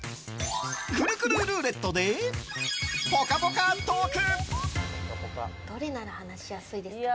くるくるルーレットでぽかぽかトーク！